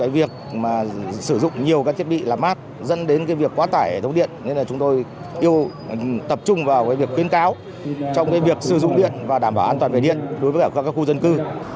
và đảm bảo an toàn về điện đối với các khu dân cư